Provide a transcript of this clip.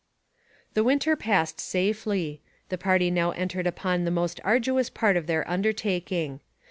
The winter passed safely; the party now entered upon the most arduous part of their undertaking.